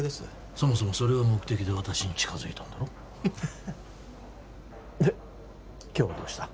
そもそもそれが目的で私に近づいたんだろで今日はどうした？